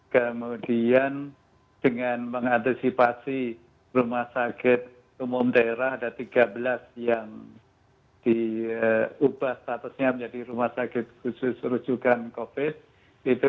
kemudian dengan mengantisipasi rumah sakit umum daerah ada tiga belas yang diubah statusnya menjadi rumah sakit khusus rujukan covid sembilan belas